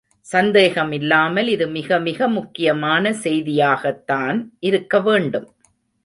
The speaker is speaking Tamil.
சந்தேகமில்லாமல் இது மிக மிக முக்கியமான செய்தியாகத்தான் இருக்க வேண்டும்.